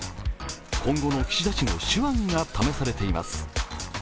今後の岸田氏の手腕が試されています。